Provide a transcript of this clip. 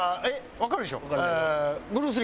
わかるでしょ？